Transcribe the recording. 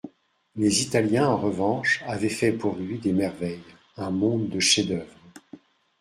Les Italiens, en revanche, avaient fait pour lui des merveilles, un monde de chefs-d'oeuvre.